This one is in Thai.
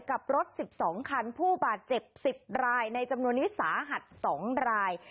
กับรถ๑๒คันผู้บาดเจ็บ๑๐รายในจำนวนนี้สาหัส๒ราย